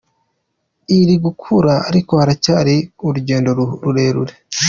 Iri gukura, ariko haracyari urugendo rurerure.